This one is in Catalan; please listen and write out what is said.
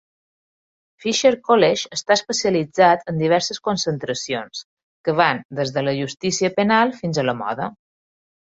Fisher College està especialitzat en diverses concentracions que van des de la justícia penal fins a la moda.